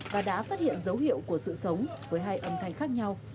và đã phát hiện dấu hiệu của sự sống với hai âm thanh khác nhau